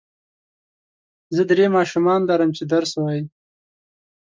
زه درې ماشومان لرم چې درس وايي.